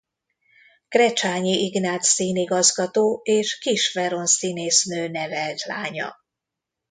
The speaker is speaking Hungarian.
Krecsányi Ignác színigazgató és Kiss Veron színésznő nevelt lánya.